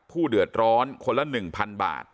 ผู้เดือดร้อนคนละ๑๐๐๐บาท